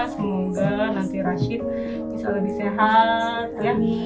semoga nanti rashid bisa lebih sehat